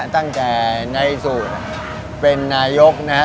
ตั้งแต่ในสู่เป็นนายกนะฮะ